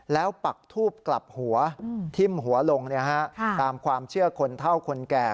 แล้วปักทูบกลับหัวทิ้มหัวลงตามความเชื่อคนเท่าคนแก่